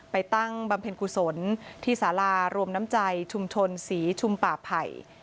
ตั้งบำเพ็ญกุศลที่สารารวมน้ำใจชุมชนศรีชุมป่าไผ่